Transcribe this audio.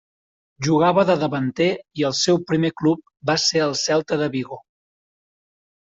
Jugava de davanter i el seu primer club va ser el Celta de Vigo.